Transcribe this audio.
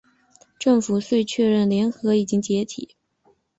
政府遂确认联合已经解体。